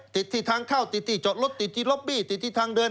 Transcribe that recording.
ติดที่ทางเข้าติดที่จอดรถติดที่ล็อบบี้ติดที่ทางเดิน